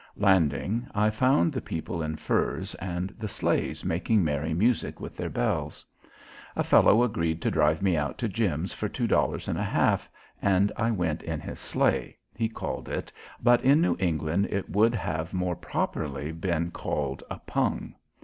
Landing I found the people in furs and the sleighs making merry music with their bells. A fellow agreed to drive me out to Jim's for two dollars and a half and I went in his sleigh, he called it, but in New England it would have more properly have been called a pung.